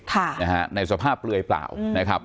ค่ะนะฮะในสภาพเปลือยเปล่านะครับ